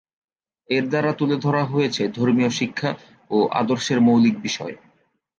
এর দ্বারা তুলে ধরা হয়েছে ধর্মীয় শিক্ষা ও আদর্শের মৌলিক বিষয়।